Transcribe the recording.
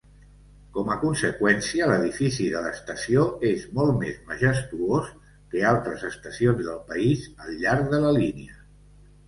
Com a conseqüència, l'edifici de l'estació és molt més majestuós que altres estacions del país al llarg de la línia.